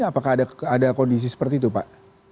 apakah ada kondisi seperti itu pak